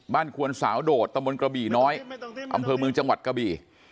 ควนสาวโดดตะมนต์กระบี่น้อยอำเภอเมืองจังหวัดกระบี่